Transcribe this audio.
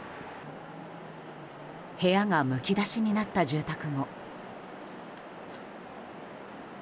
部屋がむき出しになった住宅も。